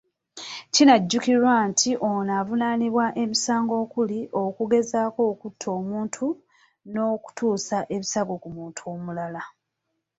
Kinajjukirwa nti ono avunaanibwa emisango okuli; okugezaako okutta omuntu, n'okutuusa ebisago ku muntu omulala.